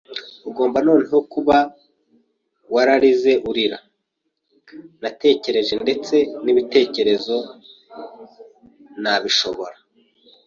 ugomba noneho kuba wararize urira, natekereje; ndetse nibitekerezo nabishobora